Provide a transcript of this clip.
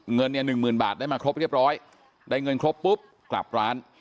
เงินเนี่ยหนึ่งหมื่นบาทได้มาครบเรียบร้อยได้เงินครบปุ๊บกลับร้าน